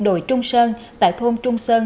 đồi trung sơn tại thôn trung sơn